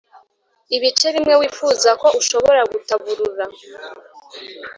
ibice bimwe wifuza ko ushobora gutaburura.